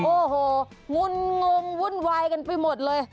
โอ้โหงุนงงวุ่นวายกันไปหมดเลย